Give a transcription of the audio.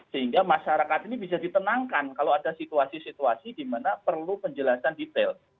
sehingga masyarakat ini bisa ditenangkan kalau ada situasi situasi di mana perlu penjelasan detail